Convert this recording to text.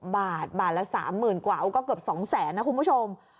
บาทบาทละ๓๐๐๐กว่าก็เกือบ๒แสนนะคุณผู้ชม